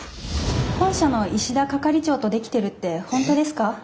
本社の石田係長とデキてるって本当ですか？